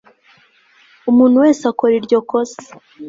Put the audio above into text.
umuntu wese akora iryo kosa